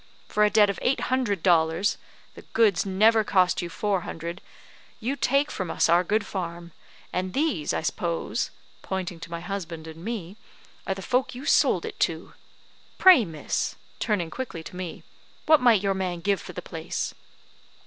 For a debt of eight hundred dollars the goods never cost you four hundred you take from us our good farm; and these, I s'pose," pointing to my husband and me, "are the folk you sold it to. Pray, miss," turning quickly to me, "what might your man give for the place?"